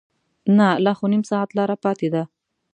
نه لا خو نیم ساعت لاره پاتې ده.